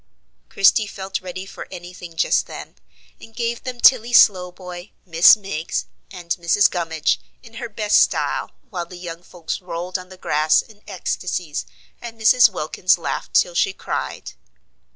Christie felt ready for any thing just then, and gave them Tilly Slowboy, Miss Miggs, and Mrs. Gummage, in her best style, while the young folks rolled on the grass in ecstasies, and Mrs. Wilkins laughed till she cried.